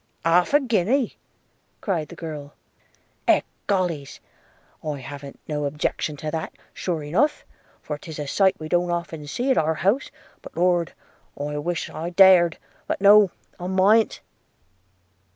'Half a guinea!' cried the girl – 'Ecollys I haven't a no objection to that, sure enough; for 'tis a sight we don't often see at our house; but, Lord, I wish I dared! but, no, I maw'nt.'